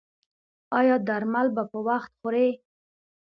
ایا درمل به په وخت خورئ؟